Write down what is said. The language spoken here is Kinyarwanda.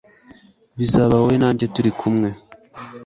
bizaba wowe na njye turikumwe